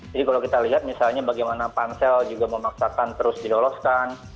kalau kita lihat misalnya bagaimana pansel juga memaksakan terus diloloskan